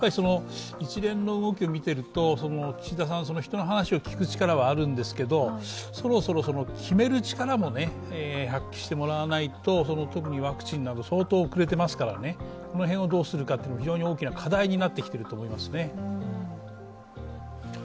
一連の動きを見ていると、岸田さん人の話を聞く力はあるんですけど、そろそろ決める力も発揮してもらわないと、特にワクチンなんかは相当遅れていますから、その辺をどうするかは非常に大きな課題になってきていると思います。